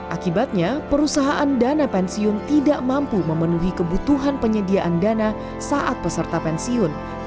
akibatnya perusahaan dana pensiun tidak mampu memenuhi kebutuhan penyediaan dana saat peserta pensiun